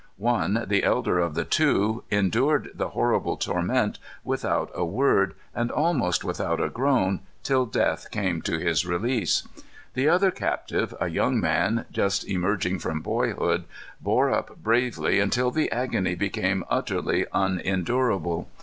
One, the elder of the two, endured the horrible torment without a word, and almost without a groan, till death came to his release. The other captive, a young man, just emerging from boyhood, bore up bravely until the agony became utterly unendurable.